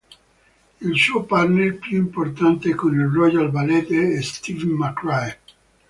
Il suo partner più importante con il Royal Ballet è Steven McRae.